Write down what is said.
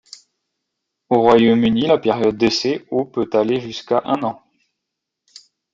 Au Royaume-Uni, la période d'essai au peut aller jusqu'à un an.